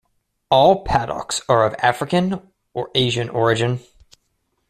All padauks are of African or Asian origin.